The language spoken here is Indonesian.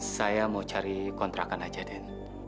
saya mau cari kontrakan aja den